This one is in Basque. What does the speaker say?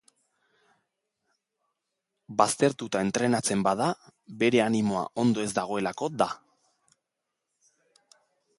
Baztertuta entrenatzen bada, bere animoa ondo ez dagoelako da.